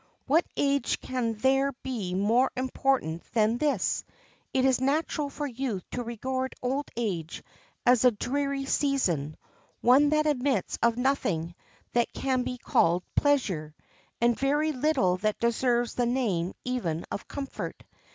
What age can there be more important than this? It is natural for youth to regard old age as a dreary season—one that admits of nothing that can be called pleasure, and very little that deserves the name even of comfort.